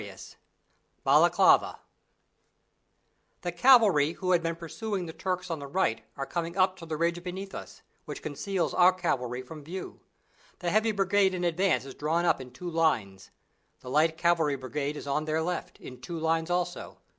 Burns BALAKLAVA The cavalry who have been pursuing the Turks on the right are coming up to the ridge beneath us, which conceals our cavalry from view. The heavy brigade in advance is drawn up in two lines. The light cavalry brigade is on their left, in two lines also.